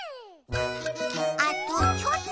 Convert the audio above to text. あとちょっと！